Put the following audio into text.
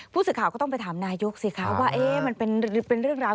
ผู้สื่อข่าวก็ต้องไปถามนายกสิคะว่ามันเป็นเรื่องราว